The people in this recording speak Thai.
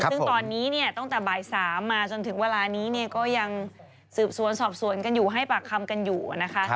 ซึ่งตอนนี้เนี่ยตั้งแต่บ่าย๓มาจนถึงเวลานี้ก็ยังสืบสวนสอบสวนกันอยู่ให้ปากคำกันอยู่นะคะ